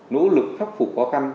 nỗ lực khắc phục khó khăn